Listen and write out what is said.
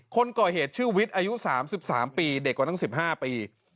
คนก่อเหตุชื่อวิทย์อายุ๓๓ปีเด็กกว่าทั้ง๑๕ปี